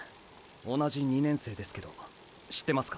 同じ２年生ですけど知ってますか？